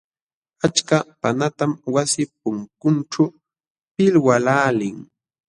Achka panqatam wasi punkunćhu pilwaqlaalin.